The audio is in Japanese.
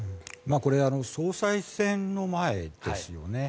これは総裁選の前ですよね。